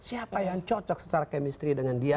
siapa yang cocok secara kemistri dengan dia